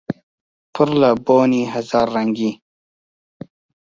پڕ لە بۆنی هەزار ڕەنگی